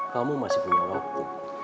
kamu masih punya waktu